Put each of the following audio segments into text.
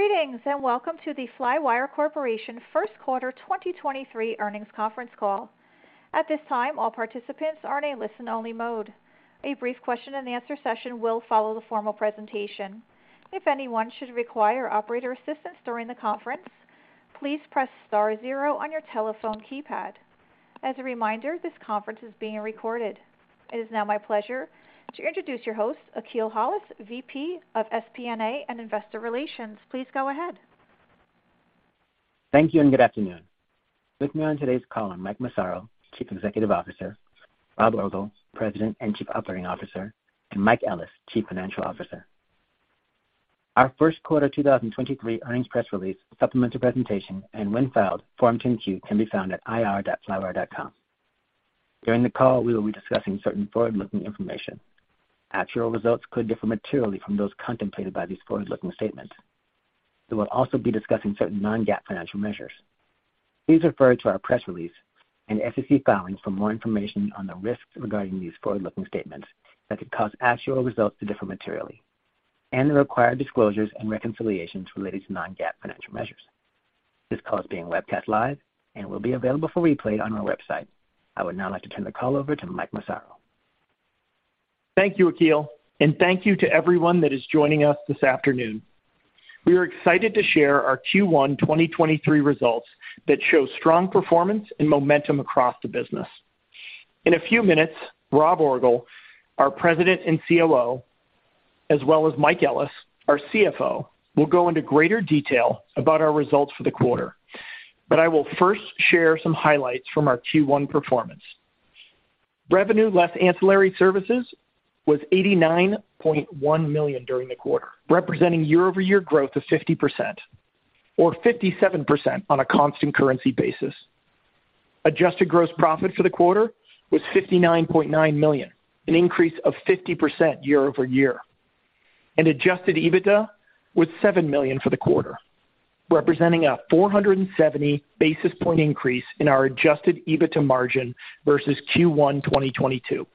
Greetings, and welcome to the Flywire Corporation First Quarter 2023 Earnings Conference Call. At this time, all participants are in a listen-only mode. A brief question and answer session will follow the formal presentation. If anyone should require operator assistance during the conference, please press star 0 on your telephone keypad. As a reminder, this conference is being recorded. It is now my pleasure to introduce your host, Akil Hollis, VP of FP&A and Investor Relations. Please go ahead. Thank you and good afternoon. With me on today's call are Mike Massaro, Chief Executive Officer, Rob Orgel, President and Chief Operating Officer, and Mike Ellis, Chief Financial Officer. Our First Quarter 2023 Earnings press release, supplemental presentation, and when filed, Form 10-Q can be found at ir.flywire.com. During the call, we will be discussing certain forward-looking information. Actual results could differ materially from those contemplated by these forward-looking statements. We will also be discussing certain non-GAAP financial measures. Please refer to our press release and SEC filings for more information on the risks regarding these forward-looking statements that could cause actual results to differ materially and the required disclosures and reconciliations related to non-GAAP financial measures. This call is being webcast live and will be available for replay on our website. I would now like to turn the call over to Mike Massaro. Thank you, Akil, and thank you to everyone that is joining us this afternoon. We are excited to share our Q1 2023 results that show strong performance and momentum across the business. In a few minutes, Rob Orgel, our President and COO, as well as Mike Ellis, our CFO, will go into greater detail about our results for the quarter. I will first share some highlights from our Q1 performance. Revenue less ancillary services was $89.1 million during the quarter, representing year-over-year growth of 50% or 57% on a constant currency basis. Adjusted gross profit for the quarter was $59.9 million, an increase of 50% year-over-year. Adjusted EBITDA was $7 million for the quarter, representing a 470 basis point increase in our adjusted EBITDA margin versus Q1 2022.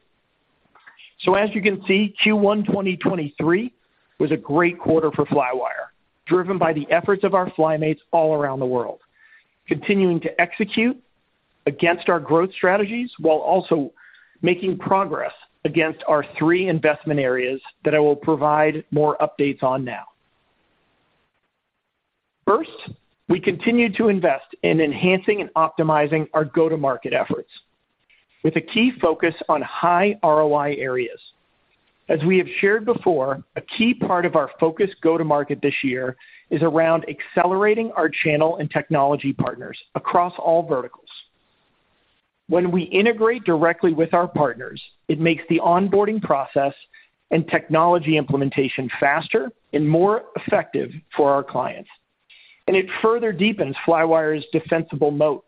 As you can see, Q1 2023 was a great quarter for Flywire, driven by the efforts of our Flymates all around the world, continuing to execute against our growth strategies while also making progress against our three investment areas that I will provide more updates on now. First, we continue to invest in enhancing and optimizing our go-to-market efforts with a key focus on high ROI areas. As we have shared before, a key part of our focused go-to-market this year is around accelerating our channel and technology partners across all verticals. When we integrate directly with our partners, it makes the onboarding process and technology implementation faster and more effective for our clients, and it further deepens Flywire's defensible moat.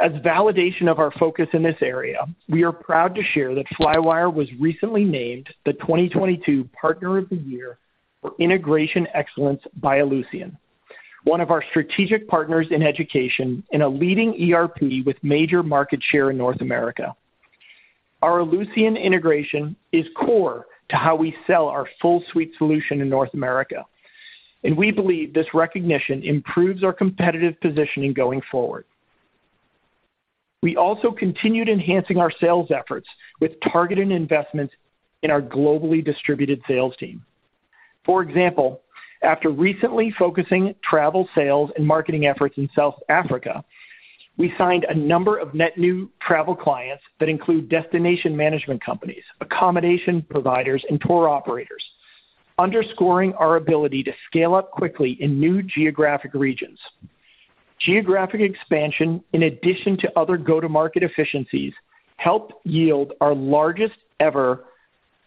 As validation of our focus in this area, we are proud to share that Flywire was recently named the 2022 Partner of the Year for Integration Excellence by Ellucian, one of our strategic partners in education and a leading ERP with major market share in North America. Our Ellucian integration is core to how we sell our full suite solution in North America. We believe this recognition improves our competitive positioning going forward. We also continued enhancing our sales efforts with targeted investments in our globally distributed sales team. For example, after recently focusing travel sales and marketing efforts in South Africa, we signed a number of net new travel clients that include destination management companies, accommodation providers, and tour operators, underscoring our ability to scale up quickly in new geographic regions. Geographic expansion, in addition to other go-to-market efficiencies, helped yield our largest-ever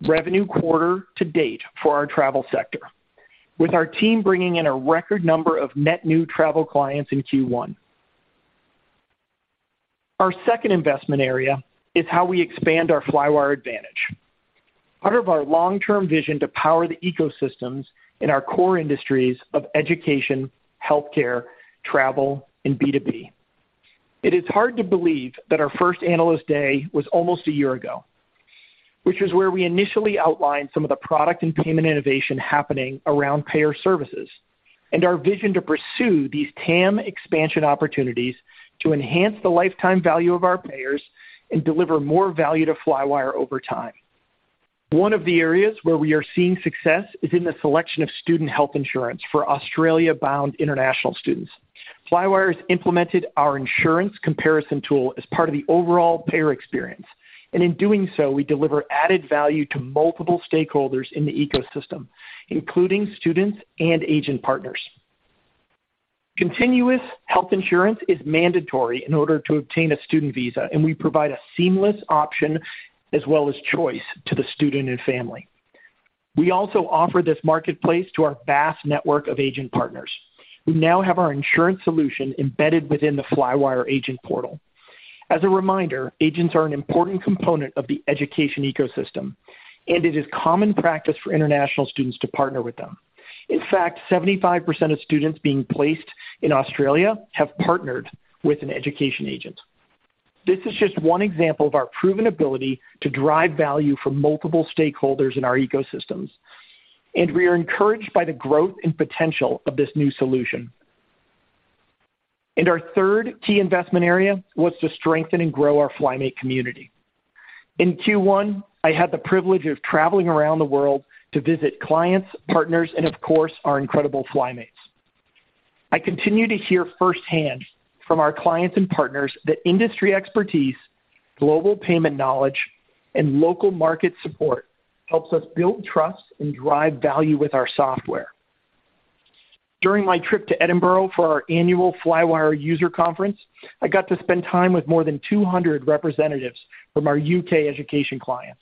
revenue quarter to date for our travel sector, with our team bringing in a record number of net new travel clients in Q1. Our second investment area is how we expand our Flywire Advantage. Part of our long-term vision to power the ecosystems in our core industries of education, healthcare, travel, and B2B. It is hard to believe that our first Analyst Day was almost one year ago, which is where we initially outlined some of the product and payment innovation happening around payer services and our vision to pursue these TAM expansion opportunities to enhance the lifetime value of our payers and deliver more value to Flywire over time. One of the areas where we are seeing success is in the selection of student health insurance for Australia-bound international students. Flywire has implemented our insurance comparison tool as part of the overall payer experience, and in doing so, we deliver added value to multiple stakeholders in the ecosystem, including students and agent partners. Continuous health insurance is mandatory in order to obtain a student visa, and we provide a seamless option as well as choice to the student and family. We also offer this marketplace to our vast network of agent partners, who now have our insurance solution embedded within the Flywire agent portal. As a reminder, agents are an important component of the education ecosystem, and it is common practice for international students to partner with them. In fact, 75% of students being placed in Australia have partnered with an education agent. This is just one example of our proven ability to drive value for multiple stakeholders in our ecosystems, and we are encouraged by the growth and potential of this new solution. Our third key investment area was to strengthen and grow our FlyMates community. In Q1, I had the privilege of traveling around the world to visit clients, partners, and of course, our incredible FlyMates. I continue to hear firsthand from our clients and partners that industry expertise, global payment knowledge, and local market support helps us build trust and drive value with our software. During my trip to Edinburgh for our Annual Flywire User Conference, I got to spend time with more than 200 representatives from our U.K. education clients.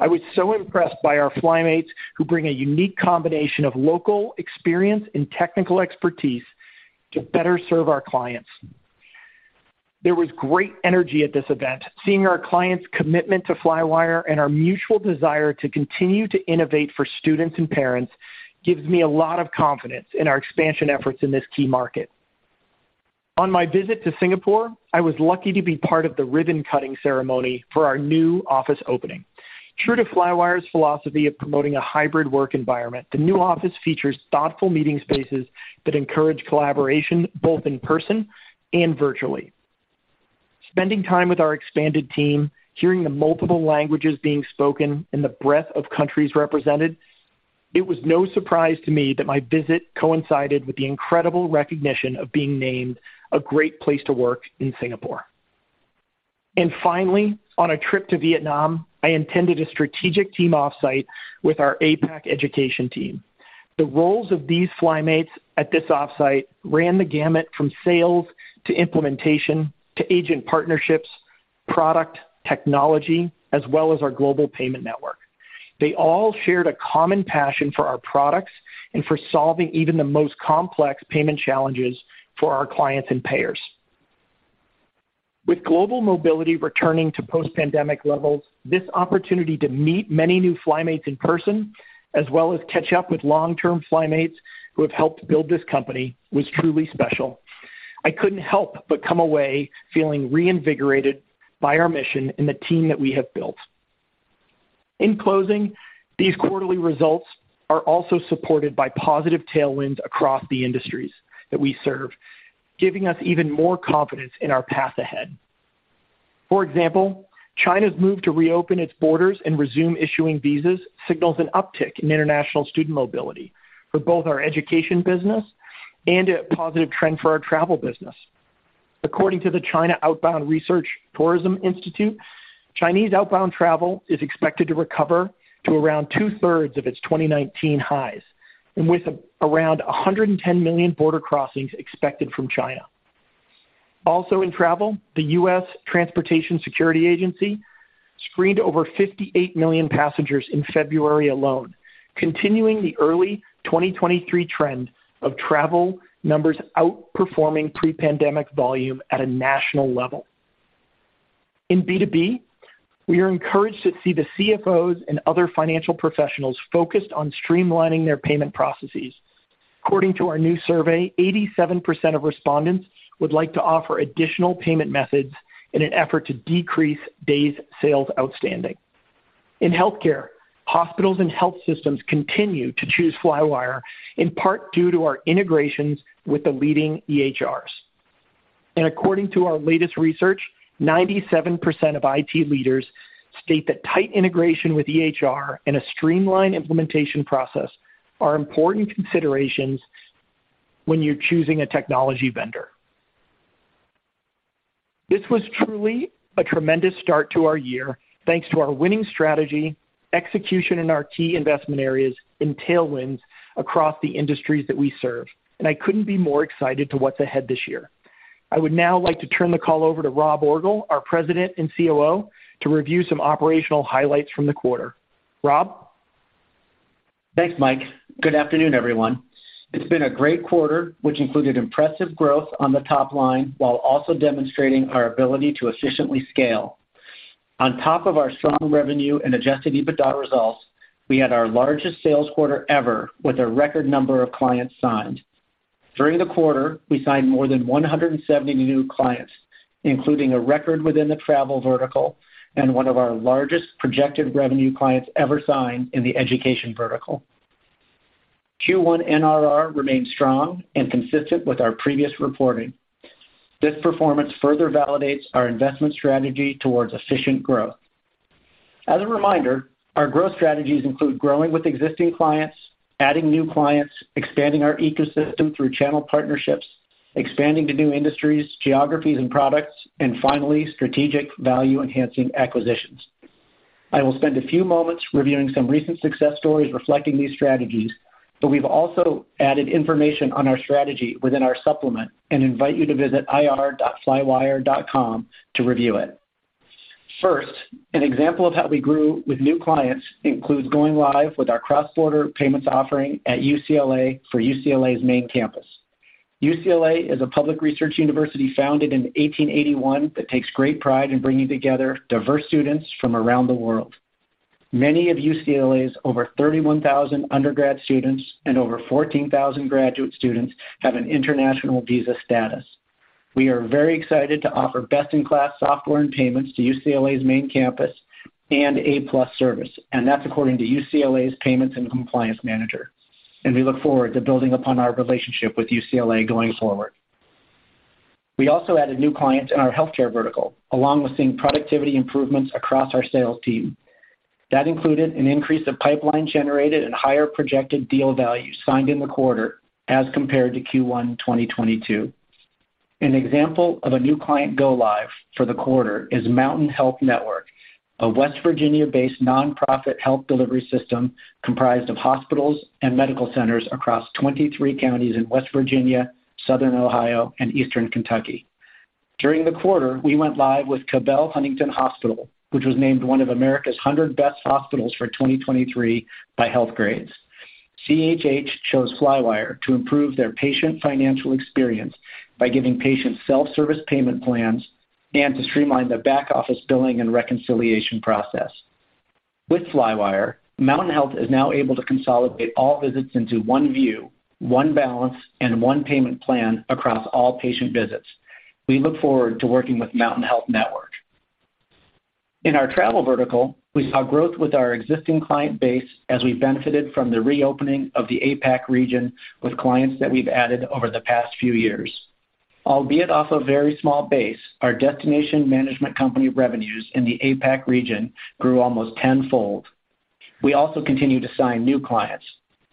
I was so impressed by our Flymates who bring a unique combination of local experience and technical expertise to better serve our clients. There was great energy at this event. Seeing our clients' commitment to Flywire and our mutual desire to continue to innovate for students and parents gives me a lot of confidence in our expansion efforts in this key market. On my visit to Singapore, I was lucky to be part of the ribbon-cutting ceremony for our new office opening. True to Flywire's philosophy of promoting a hybrid work environment, the new office features thoughtful meeting spaces that encourage collaboration both in person and virtually. Spending time with our expanded team, hearing the multiple languages being spoken and the breadth of countries represented, it was no surprise to me that my visit coincided with the incredible recognition of being named a great place to work in Singapore. Finally, on a trip to Vietnam, I attended a strategic team off-site with our APAC education team. The roles of these FlyMates at this off-site ran the gamut from sales to implementation to agent partnerships, product, technology, as well as our global payment network. They all shared a common passion for our products and for solving even the most complex payment challenges for our clients and payers. With global mobility returning to post-pandemic levels, this opportunity to meet many new FlyMates in person, as well as catch up with long-term FlyMates who have helped build this company, was truly special. I couldn't help but come away feeling reinvigorated by our mission and the team that we have built. In closing, these quarterly results are also supported by positive tailwinds across the industries that we serve, giving us even more confidence in our path ahead. For example, China's move to reopen its borders and resume issuing visas signals an uptick in international student mobility for both our education business and a positive trend for our travel business. According to the China Outbound Tourism Research Institute, Chinese outbound travel is expected to recover to around two-thirds of its 2019 highs, with around 110 million border crossings expected from China. In travel, the U.S. Transportation Security Administration screened over 58 million passengers in February alone, continuing the early 2023 trend of travel numbers outperforming pre-pandemic volume at a national level. In B2B, we are encouraged to see the CFOs and other financial professionals focused on streamlining their payment processes. According to our new survey, 87% of respondents would like to offer additional payment methods in an effort to decrease days' sales outstanding. In healthcare, hospitals and health systems continue to choose Flywire, in part due to our integrations with the leading EHRs. According to our latest research, 97% of IT leaders state that tight integration with EHR and a streamlined implementation process are important considerations when you're choosing a technology vendor. This was truly a tremendous start to our year, thanks to our winning strategy, execution in our key investment areas, and tailwinds across the industries that we serve. I couldn't be more excited to what's ahead this year. I would now like to turn the call over to Rob Orgel, our President and COO, to review some operational highlights from the quarter. Rob? Thanks, Mike. Good afternoon, everyone. It's been a great quarter, which included impressive growth on the top line while also demonstrating our ability to efficiently scale. On top of our strong revenue and adjusted EBITDA results, we had our largest sales quarter ever with a record number of clients signed. During the quarter, we signed more than 170 new clients, including a record within the travel vertical and one of our largest projected revenue clients ever signed in the education vertical. Q1 NRR remained strong and consistent with our previous reporting. This performance further validates our investment strategy towards efficient growth. As a reminder, our growth strategies include growing with existing clients, adding new clients, expanding our ecosystem through channel partnerships, expanding to new industries, geographies, and products, and finally, strategic value-enhancing acquisitions. I will spend a few moments reviewing some recent success stories reflecting these strategies, but we've also added information on our strategy within our supplement and invite you to visit ir.flywire.com to review it. First, an example of how we grew with new clients includes going live with our cross-border payments offering at UCLA for UCLA's main campus. UCLA is a public research university founded in 1881 that takes great pride in bringing together diverse students from around the world. Many of UCLA's over 31,000 undergrad students and over 14,000 graduate students have an international visa status. We are very excited to offer best-in-class software and payments to UCLA's main campus and A-plus service, and that's according to UCLA's payments and compliance manager. We look forward to building upon our relationship with UCLA going forward. We also added new clients in our healthcare vertical, along with seeing productivity improvements across our sales team. Included an increase of pipeline generated and higher projected deal value signed in the quarter as compared to Q1 2022. An example of a new client go-live for the quarter is Mountain Health Network, a West Virginia-based nonprofit health delivery system comprised of hospitals and medical centers across 23 counties in West Virginia, southern Ohio, and Eastern Kentucky. During the quarter, we went live with Cabell Huntington Hospital, which was named one of America's 100 best hospitals for 2023 by Healthgrades. CHH chose Flywire to improve their patient financial experience by giving patients self-service payment plans and to streamline the back-office billing and reconciliation process. With Flywire, Mountain Health is now able to consolidate all visits into one view, one balance, and one payment plan across all patient visits. We look forward to working with Mountain Health Network. In our travel vertical, we saw growth with our existing client base as we benefited from the reopening of the APAC region with clients that we've added over the past few years. Albeit off a very small base, our destination management company revenues in the APAC region grew almost tenfold. We also continue to sign new clients.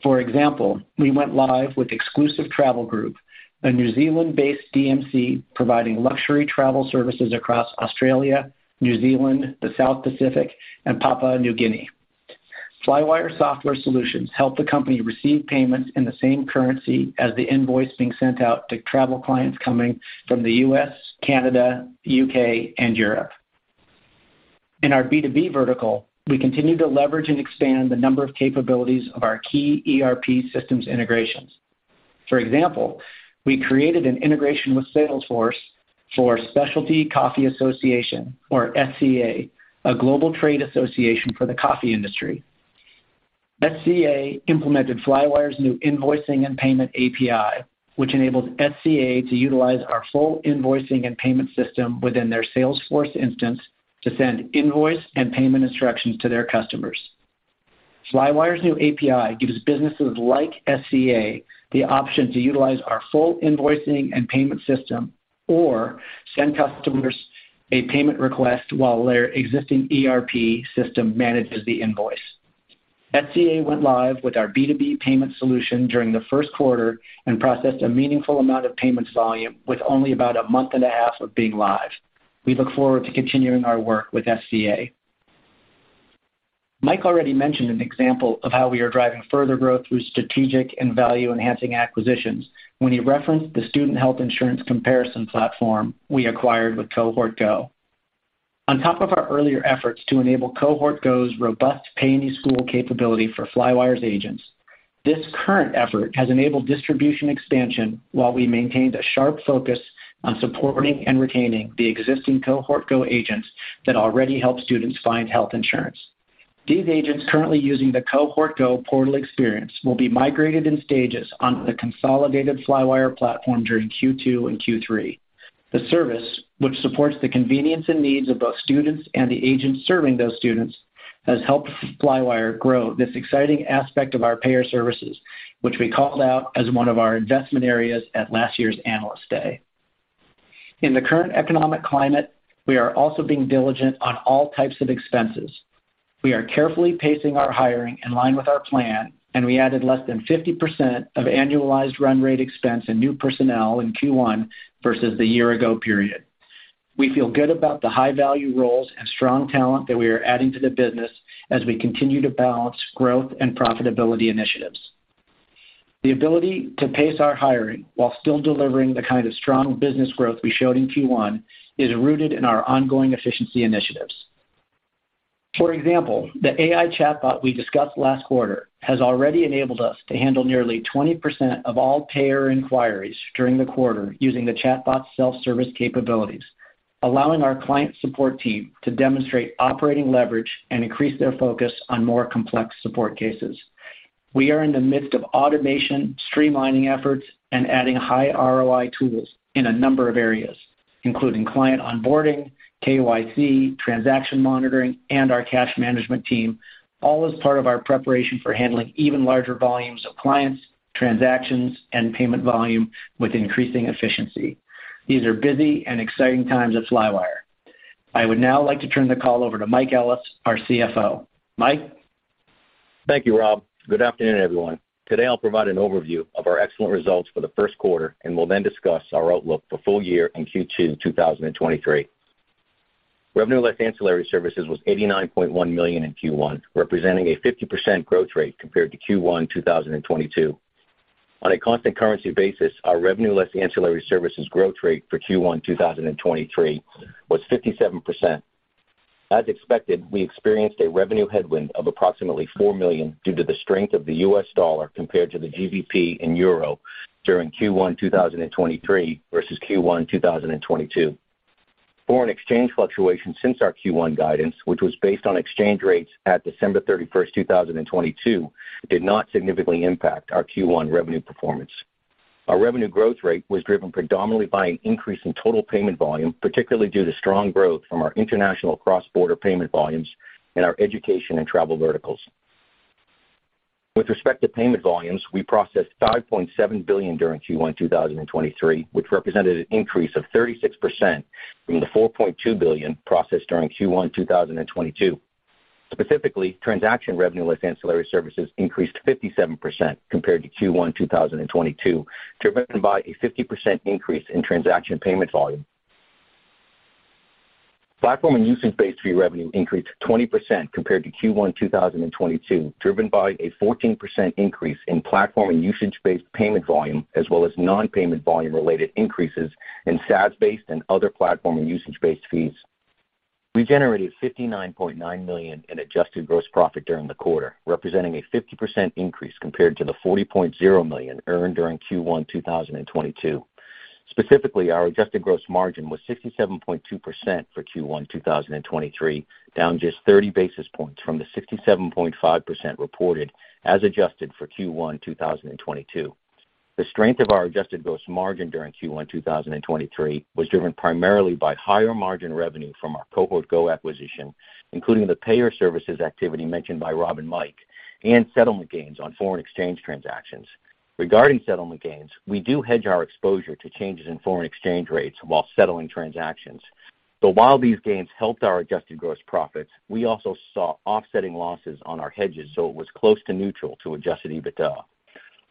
For example, we went live with Exclusive Travel Group, a New Zealand-based DMC providing luxury travel services across Australia, New Zealand, the South Pacific, and Papua New Guinea. Flywire Software Solutions help the company receive payments in the same currency as the invoice being sent out to travel clients coming from the U.S., Canada, U.K., and Europe. In our B2B vertical, we continue to leverage and expand the number of capabilities of our key ERP systems integrations. For example, we created an integration with Salesforce for Specialty Coffee Association or SCA, a global trade association for the coffee industry. SCA implemented Flywire's new invoicing and payment API, which enables SCA to utilize our full invoicing and payment system within their Salesforce instance to send invoice and payment instructions to their customers. Flywire's new API gives businesses like SCA the option to utilize our full invoicing and payment system or send customers a payment request while their existing ERP system manages the invoice. SCA went live with our B2B payment solution during the first quarter and processed a meaningful amount of payments volume with only about a month and a half of being live. We look forward to continuing our work with SCA. Mike already mentioned an example of how we are driving further growth through strategic and value-enhancing acquisitions when he referenced the student health insurance comparison platform we acquired with Cohort Go. On top of our earlier efforts to enable Cohort Go's robust pay any school capability for Flywire's agents, this current effort has enabled distribution expansion while we maintained a sharp focus on supporting and retaining the existing Cohort Go agents that already help students find health insurance. These agents currently using the Cohort Go portal experience will be migrated in stages onto the consolidated Flywire platform during Q2 and Q3. The service, which supports the convenience and needs of both students and the agents serving those students, has helped Flywire grow this exciting aspect of our payer services, which we called out as one of our investment areas at last year's Analyst Day. In the current economic climate, we are also being diligent on all types of expenses. We are carefully pacing our hiring in line with our plan. We added less than 50% of annualized run rate expense and new personnel in Q1 versus the year ago period. We feel good about the high-value roles and strong talent that we are adding to the business as we continue to balance growth and profitability initiatives. The ability to pace our hiring while still delivering the kind of strong business growth we showed in Q1 is rooted in our ongoing efficiency initiatives. For example, the AI chatbot we discussed last quarter has already enabled us to handle nearly 20% of all payer inquiries during the quarter using the chatbot's self-service capabilities, allowing our client support team to demonstrate operating leverage and increase their focus on more complex support cases. We are in the midst of automation, streamlining efforts, and adding high ROI tools in a number of areas, including client onboarding, KYC, transaction monitoring, and our cash management team, all as part of our preparation for handling even larger volumes of clients, transactions, and payment volume with increasing efficiency. These are busy and exciting times at Flywire. I would now like to turn the call over to Mike Ellis, our CFO. Mike? Thank you, Rob. Good afternoon, everyone. Today, I'll provide an overview of our excellent results for the first quarter, will then discuss our outlook for full year in Q2 2023. Revenue less ancillary services was $89.1 million in Q1, representing a 50% growth rate compared to Q1 2022. On a constant currency basis, our revenue less ancillary services growth rate for Q1 2023 was 57%. As expected, we experienced a revenue headwind of approximately $4 million due to the strength of the US dollar compared to the GBP and euro during Q1 2023 versus Q1 2022. Foreign exchange fluctuation since our Q1 guidance, which was based on exchange rates at December 31, 2022, did not significantly impact our Q1 revenue performance. Our revenue growth rate was driven predominantly by an increase in total payment volume, particularly due to strong growth from our international cross-border payment volumes and our education and travel verticals. With respect to payment volumes, we processed $5.7 billion during Q1 2023, which represented an increase of 36% from the $4.2 billion processed during Q1 2022. Specifically, transaction revenue less ancillary services increased 57% compared to Q1 2022, driven by a 50% increase in transaction payment volume. Platform and usage-based fee revenue increased 20% compared to Q1 2022, driven by a 14% increase in platform and usage-based payment volume as well as non-payment volume related increases in SaaS-based and other platform and usage-based fees. We generated $59.9 million in adjusted gross profit during the quarter, representing a 50% increase compared to the $40.0 million earned during Q1 2022. Specifically, our adjusted gross margin was 67.2% for Q1 2023, down just 30 basis points from the 67.5% reported as adjusted for Q1 2022. The strength of our adjusted gross margin during Q1 2023 was driven primarily by higher margin revenue from our Cohort Go acquisition, including the payer services activity mentioned by Rob and Mike, and settlement gains on foreign exchange transactions. Regarding settlement gains, we do hedge our exposure to changes in foreign exchange rates while settling transactions. While these gains helped our adjusted gross profits, we also saw offsetting losses on our hedges, so it was close to neutral to adjusted EBITDA.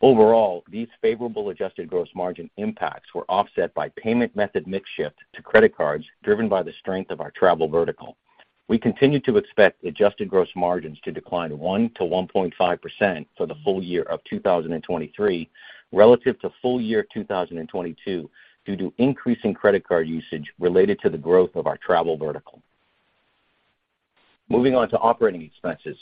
Overall, these favorable adjusted gross margin impacts were offset by payment method mix shift to credit cards driven by the strength of our travel vertical. We continue to expect adjusted gross margins to decline 1%-1.5% for the full year of 2023 relative to full year 2022 due to increasing credit card usage related to the growth of our travel vertical. Moving on to operating expenses.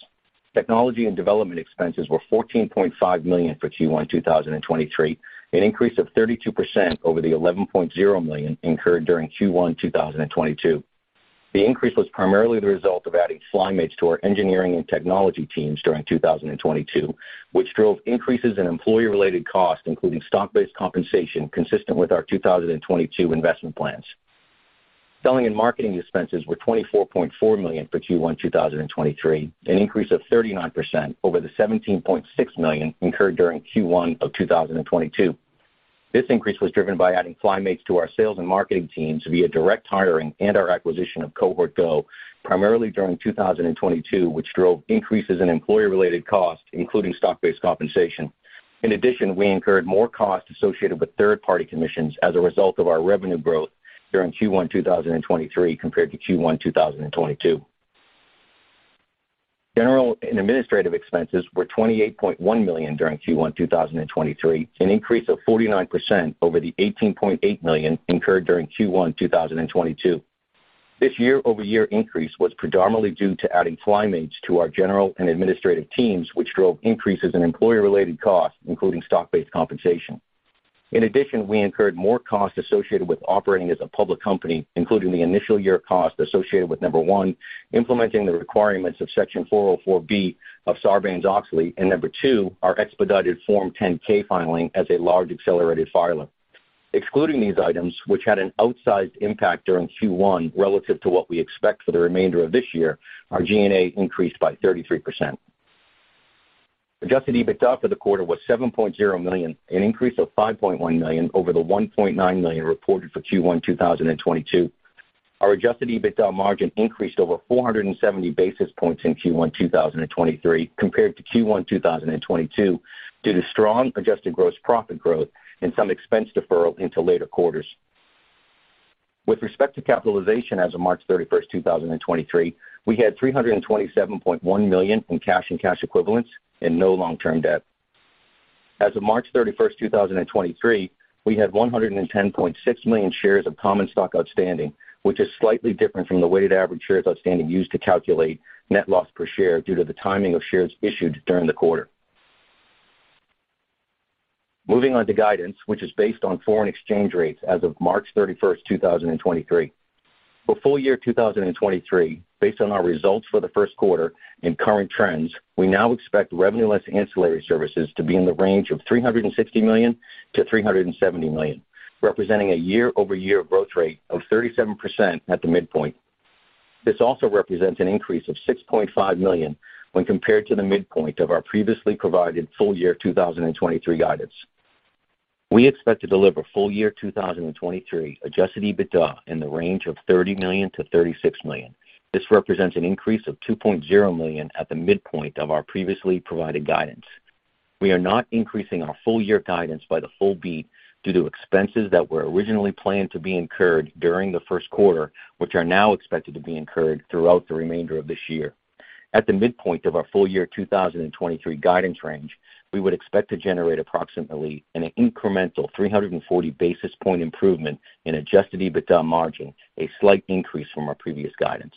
Technology and development expenses were $14.5 million for Q1 2023, an increase of 32% over the $11.0 million incurred during Q1 2022. The increase was primarily the result of adding FlyMates to our engineering and technology teams during 2022, which drove increases in employee-related costs, including stock-based compensation consistent with our 2022 investment plans. Selling and marketing expenses were $24.4 million for Q1 2023, an increase of 39% over the $17.6 million incurred during Q1 of 2022. This increase was driven by adding FlyMates to our sales and marketing teams via direct hiring and our acquisition of Cohort Go primarily during 2022, which drove increases in employee-related costs, including stock-based compensation. In addition, we incurred more costs associated with third-party commissions as a result of our revenue growth during Q1 2023 compared to Q1 2022. General and Administrative expenses were $28.1 million during Q1 2023, an increase of 49% over the $18.8 million incurred during Q1 2022. This year-over-year increase was predominantly due to adding FlyMates to our General and Administrative teams, which drove increases in employee-related costs, including stock-based compensation. In addition, we incurred more costs associated with operating as a public company, including the initial year cost associated with, number one, implementing the requirements of Section 404(b) of Sarbanes-Oxley, and number two, our expedited Form 10-K filing as a large accelerated filer. Excluding these items, which had an outsized impact during Q1 relative to what we expect for the remainder of this year, our G&A increased by 33%. Adjusted EBITDA for the quarter was $7.0 million, an increase of $5.1 million over the $1.9 million reported for Q1 2022. Our Adjusted EBITDA margin increased over 470 basis points in Q1 2023 compared to Q1 2022 due to strong adjusted gross profit growth and some expense deferral into later quarters. With respect to capitalization as of March 31, 2023, we had $327.1 million in cash and cash equivalents and no long-term debt. As of March 31, 2023, we had 110.6 million shares of common stock outstanding, which is slightly different from the weighted average shares outstanding used to calculate net loss per share due to the timing of shares issued during the quarter. Moving on to guidance, which is based on foreign exchange rates as of March 31st, 2023. For full year 2023, based on our results for the first quarter and current trends, we now expect revenue less ancillary services to be in the range of $360 million-$370 million, representing a year-over-year growth rate of 37% at the midpoint. This also represents an increase of $6.5 million when compared to the midpoint of our previously provided full year 2023 guidance. We expect to deliver full year 2023 adjusted EBITDA in the range of $30 million-$36 million. This represents an increase of $2.0 million at the midpoint of our previously provided guidance. We are not increasing our full year guidance by the full beat due to expenses that were originally planned to be incurred during the first quarter, which are now expected to be incurred throughout the remainder of this year. At the midpoint of our full year 2023 guidance range, we would expect to generate approximately an incremental 340 basis point improvement in adjusted EBITDA margin, a slight increase from our previous guidance.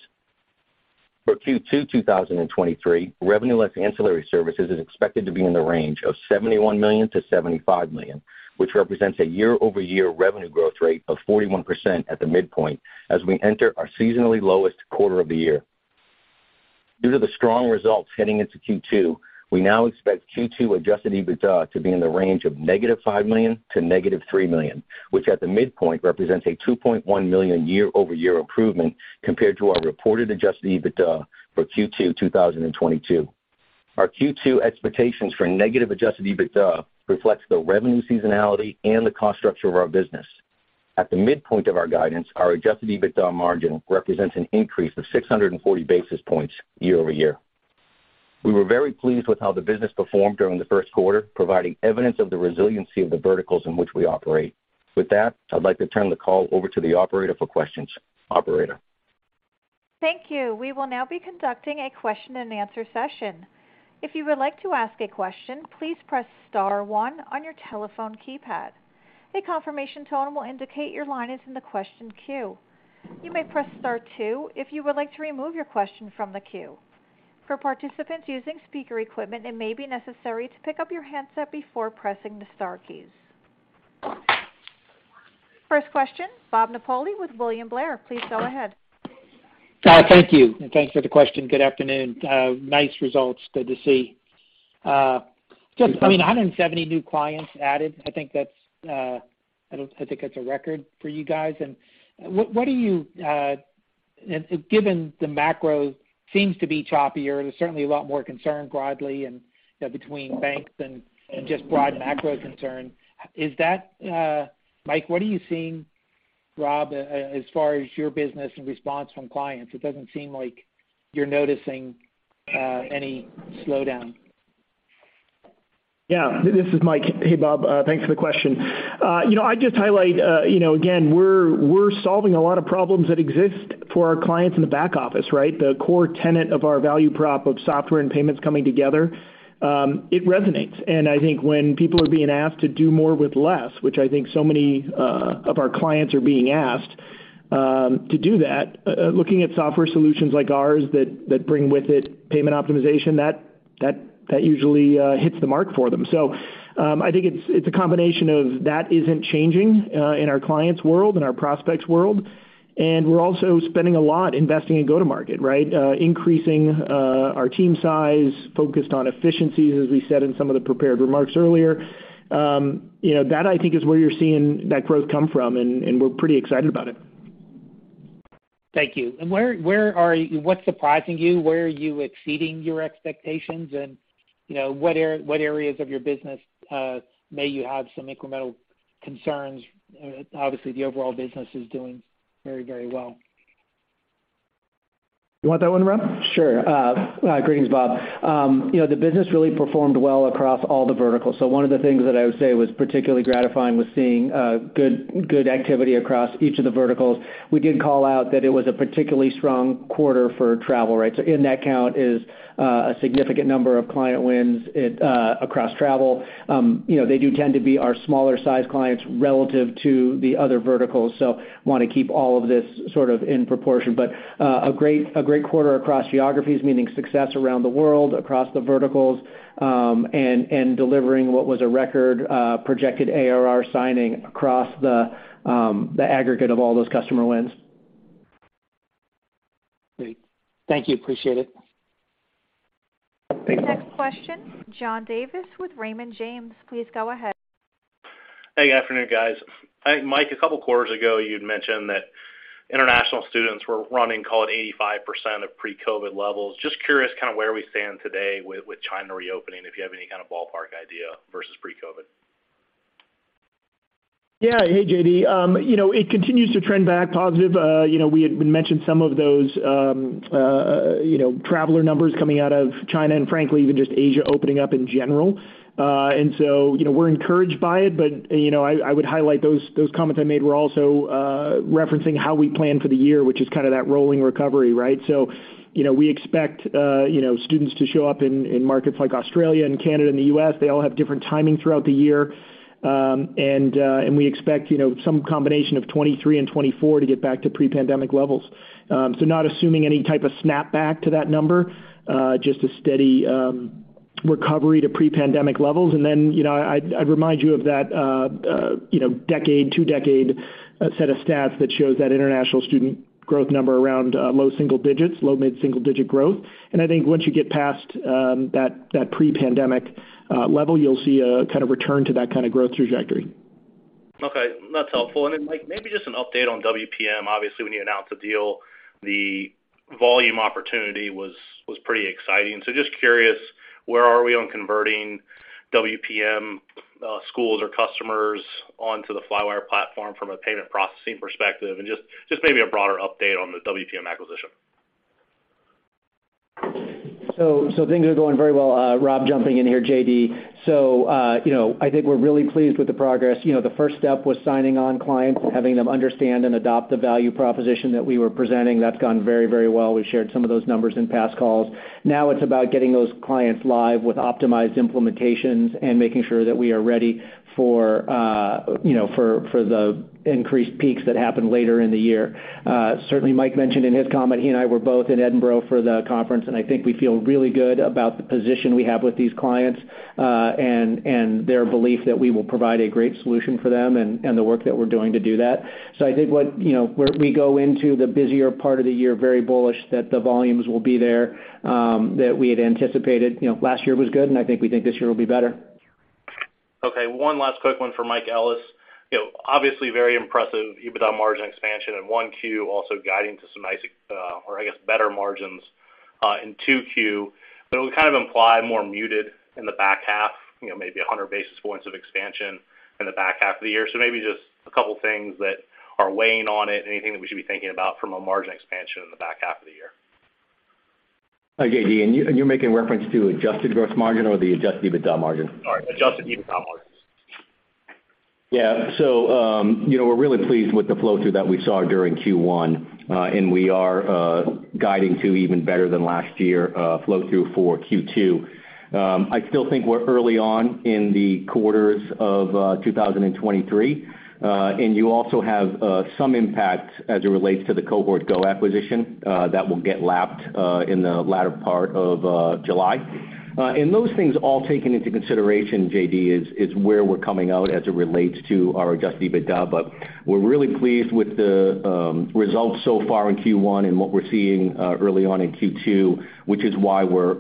For Q2 2023, revenue less ancillary services is expected to be in the range of $71 million-$75 million, which represents a year-over-year revenue growth rate of 41% at the midpoint as we enter our seasonally lowest quarter of the year. Due to the strong results heading into Q2, we now expect Q2 adjusted EBITDA to be in the range of -$5 million to -$3 million, which at the midpoint represents a $2.1 million year-over-year improvement compared to our reported adjusted EBITDA for Q2 2022. Our Q2 expectations for negative adjusted EBITDA reflects the revenue seasonality and the cost structure of our business. At the midpoint of our guidance, our adjusted EBITDA margin represents an increase of 640 basis points year-over-year. We were very pleased with how the business performed during the first quarter, providing evidence of the resiliency of the verticals in which we operate. With that, I'd like to turn the call over to the operator for questions. Operator. Thank you. We will now be conducting a question-and-answer session. If you would like to ask a question, please press star one on your telephone keypad. A confirmation tone will indicate your line is in the question queue. You may press star two if you would like to remove your question from the queue. For participants using speaker equipment, it may be necessary to pick up your handset before pressing the star keys. First question, Bob Napoli with William Blair. Please go ahead. Thank you, and thanks for the question. Good afternoon. Nice results. Good to see. I mean, 170 new clients added. I think that's a record for you guys. Given the macro seems to be choppier, there's certainly a lot more concern broadly and, you know, between banks and just broad macro concern. Is that? Mike, what are you seeing, Rob, as far as your business in response from clients? It doesn't seem like you're noticing any slowdown. Yeah, this is Mike. Hey, Bob. Thanks for the question. You know, I'd just highlight, you know, again, we're solving a lot of problems that exist for our clients in the back office, right? The core tenet of our value prop of software and payments coming together, it resonates. I think when people are being asked to do more with less, which I think so many of our clients are being asked to do that, looking at software solutions like ours that bring with it payment optimization, that usually hits the mark for them. I think it's a combination of that isn't changing in our clients' world, in our prospects' world, and we're also spending a lot investing in go-to-market, right? Increasing our team size, focused on efficiencies, as we said in some of the prepared remarks earlier. You know, that I think is where you're seeing that growth come from, and we're pretty excited about it. Thank you. What's surprising you? Where are you exceeding your expectations? You know, what areas of your business, may you have some incremental concerns? Obviously, the overall business is doing very, very well. You want that one, Rob? Sure. Greetings, Bob. You know, the business really performed well across all the verticals. One of the things that I would say was particularly gratifying was seeing good activity across each of the verticals. We did call out that it was a particularly strong quarter for travel, right? In that count is a significant number of client wins across travel. You know, they do tend to be our smaller-sized clients relative to the other verticals, so wanna keep all of this sort of in proportion. A great quarter across geographies, meaning success around the world, across the verticals, and delivering what was a record projected ARR signing across the aggregate of all those customer wins. Great. Thank you. Appreciate it. Thanks, Bob. Next question, John Davis with Raymond James. Please go ahead. Hey, good afternoon, guys. I think, Mike, a couple quarters ago, you'd mentioned that international students were running, call it, 85% of pre-COVID levels. Just curious kinda where we stand today with China reopening, if you have any kind of ballpark idea versus pre-COVID. Yeah. Hey, JD, you know, it continues to trend back positive. You know, we had mentioned some of those, you know, traveler numbers coming out of China and frankly, even just Asia opening up in general. You know, we're encouraged by it. You know, I would highlight those comments I made were also referencing how we plan for the year, which is kinda that rolling recovery, right? You know, we expect, you know, students to show up in markets like Australia and Canada and the U.S. They all have different timing throughout the year. We expect, you know, some combination of 2023 and 2024 to get back to pre-pandemic levels. Not assuming any type of snapback to that number, just a steady recovery to pre-pandemic levels. You know, I'd remind you of that, you know, decade, two decade set of stats that shows that international student growth number around low single digits, low mid-single digit growth. I think once you get past that pre-pandemic level, you'll see a kind of return to that kind of growth trajectory. Okay, that's helpful. Mike, maybe just an update on WPM. Obviously, when you announced the deal, the volume opportunity was pretty exciting. Just curious, where are we on converting WPM schools or customers onto the Flywire platform from a payment processing perspective? Just maybe a broader update on the WPM acquisition. Things are going very well. Rob jumping in here, JD. You know, I think we're really pleased with the progress. You know, the first step was signing on clients and having them understand and adopt the value proposition that we were presenting. That's gone very, very well. We shared some of those numbers in past calls. Now it's about getting those clients live with optimized implementations and making sure that we are ready for, you know, for the increased peaks that happen later in the year. Certainly Mike mentioned in his comment, he and I were both in Edinburgh for the conference, and I think we feel really good about the position we have with these clients, and their belief that we will provide a great solution for them and the work that we're doing to do that. I think what, you know, where we go into the busier part of the year, very bullish that the volumes will be there, that we had anticipated. You know, last year was good, and I think we think this year will be better. One last quick one for Mike Ellis. You know, obviously very impressive EBITDA margin expansion in 1Q, also guiding to some nice, or I guess, better margins, in 2Q. It would kind of imply more muted in the back half, you know, maybe 100 basis points of expansion in the back half of the year. Maybe just a couple things that are weighing on it, anything that we should be thinking about from a margin expansion in the back half of the year? Okay. JD, you're making reference to adjusted gross margin or the adjusted EBITDA margin? Sorry. Adjusted EBITDA margins. Yeah. You know, we're really pleased with the flow-through that we saw during Q1, and we are guiding to even better than last year flow-through for Q2. I still think we're early on in the quarters of 2023. You also have some impact as it relates to the Cohort Go acquisition that will get lapped in the latter part of July. Those things all taken into consideration, JD, is where we're coming out as it relates to our adjusted EBITDA. We're really pleased with the results so far in Q1 and what we're seeing early on in Q2, which is why we're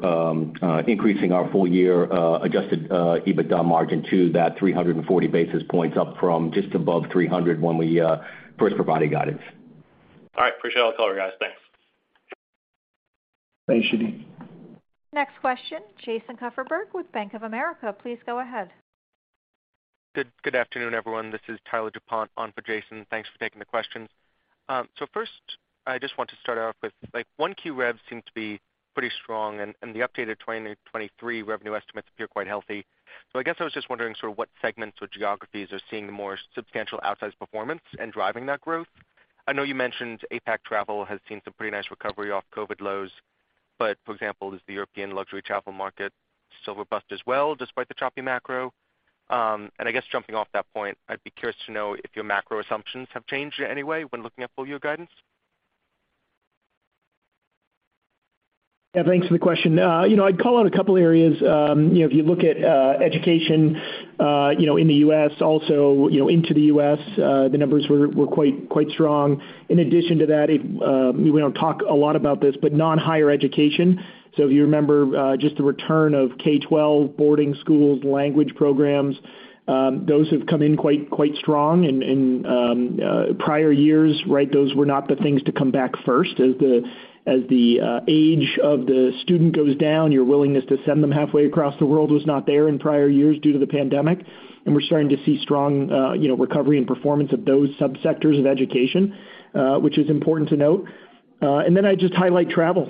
increasing our full year adjusted EBITDA margin to that 340 basis points up from just above 300 when we first provided guidance. All right. Appreciate all the color, guys. Thanks. Thanks, JD. Next question, Jason Kupferberg with Bank of America. Please go ahead. Good afternoon, everyone. This is Tyler DuPont on for Jason. Thanks for taking the questions. First, I just want to start off with like, 1Q rev seemed to be pretty strong, and the updated 2023 revenue estimates appear quite healthy. I guess I was just wondering sort of what segments or geographies are seeing the more substantial outsized performance and driving that growth. I know you mentioned APAC travel has seen some pretty nice recovery off COVID lows. For example, is the European luxury travel market still robust as well despite the choppy macro? I guess jumping off that point, I'd be curious to know if your macro assumptions have changed in any way when looking at full year guidance. Yeah, thanks for the question. you know, I'd call out a couple areas. you know, if you look at education, you know, in the U.S. also, you know, into the U.S., the numbers were quite strong. In addition to that, we don't talk a lot about this, but non-higher education. If you remember, just the return of K-12 boarding schools, language programs, those have come in quite strong. Prior years, right, those were not the things to come back first. As the age of the student goes down, your willingness to send them halfway across the world was not there in prior years due to the pandemic. We're starting to see strong, you know, recovery and performance of those subsectors of education, which is important to note. I'd just highlight travel.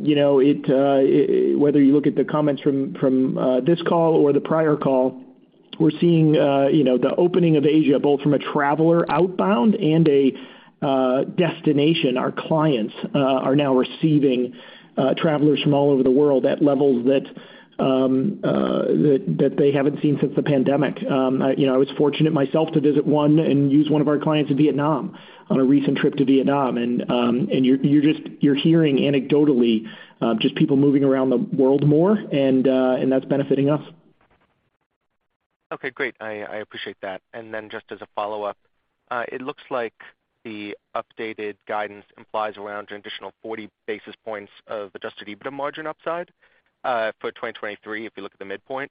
You know, whether you look at the comments from this call or the prior call, we're seeing, you know, the opening of Asia, both from a traveler outbound and a destination. Our clients are now receiving travelers from all over the world at levels that they haven't seen since the pandemic. You know, I was fortunate myself to visit one and use one of our clients in Vietnam on a recent trip to Vietnam. You're just hearing anecdotally, just people moving around the world more, and that's benefiting us. Okay, great. I appreciate that. Just as a follow-up, it looks like the updated guidance implies around an additional 40 basis points of adjusted EBITDA margin upside, for 2023, if you look at the midpoint.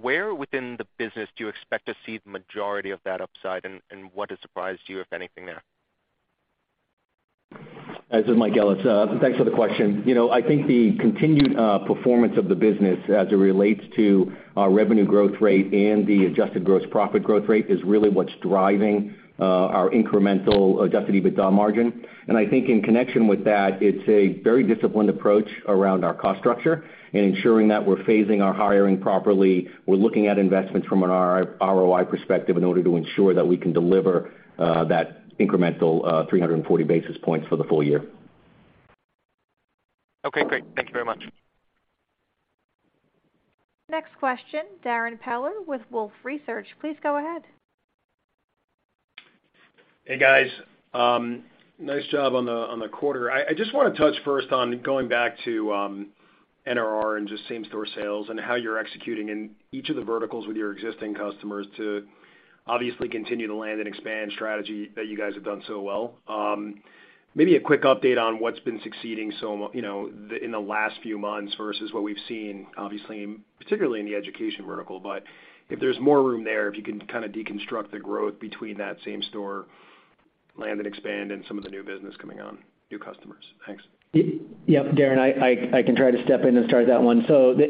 Where within the business do you expect to see the majority of that upside? What has surprised you, if anything there? This is Mike Ellis. Thanks for the question. You know, I think the continued performance of the business as it relates to our revenue growth rate and the adjusted gross profit growth rate is really what's driving our incremental adjusted EBITDA margin. I think in connection with that, it's a very disciplined approach around our cost structure and ensuring that we're phasing our hiring properly. We're looking at investments from an ROI perspective in order to ensure that we can deliver that incremental 340 basis points for the full year. Okay, great. Thank you very much. Next question, Darrin Peller with Wolfe Research. Please go ahead. Hey, guys. Nice job on the quarter. I just wanna touch first on going back to NRR and just same store sales and how you're executing in each of the verticals with your existing customers to obviously continue to land and expand strategy that you guys have done so well. Maybe a quick update on what's been succeeding so, you know, in the last few months versus what we've seen, obviously, particularly in the education vertical. If there's more room there, if you can kinda deconstruct the growth between that same store... Land and expand and some of the new business coming on, new customers. Thanks. Darrin, I can try to step in and start that one.